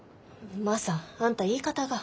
マサあんた言い方が。